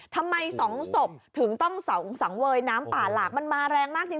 ทำไมสองศพถึงต้องสังเวยน้ำป่าหลากมันมาแรงมากจริง